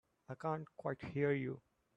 I can't quite hear you.